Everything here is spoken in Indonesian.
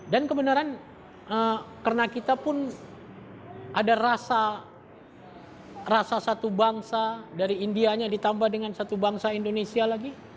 kebenaran karena kita pun ada rasa satu bangsa dari indianya ditambah dengan satu bangsa indonesia lagi